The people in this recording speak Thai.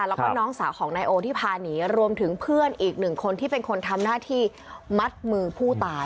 แล้วก็น้องสาวของนายโอที่พาหนีรวมถึงเพื่อนอีกหนึ่งคนที่เป็นคนทำหน้าที่มัดมือผู้ตาย